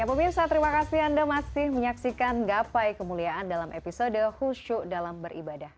ya pemirsa terima kasih anda masih menyaksikan gapai kemuliaan dalam episode husyuk dalam beribadah